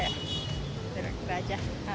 tidak tidak aja